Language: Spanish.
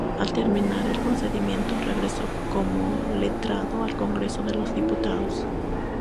Al terminar el procedimiento, regresó como letrado al Congreso de los Diputados.